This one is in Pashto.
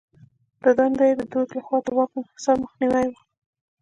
د دنده یې د دوج لخوا د واک انحصار مخنیوی و.